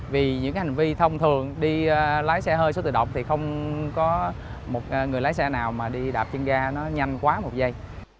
vì những hành vi thông thường đi lái xe hơi số tự động thì không có một người lái xe nào mà đi đạp trên ga nó nhanh quá một giây